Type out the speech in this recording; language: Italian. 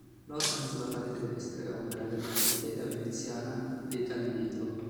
L'organo sulla parete destra è opera della bottega veneziana dei Callido.